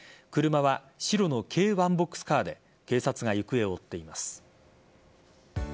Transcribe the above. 車は白の軽ワンボックスカーで警察が行方を追っています。